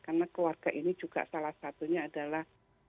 karena keluarga ini juga salah satunya adalah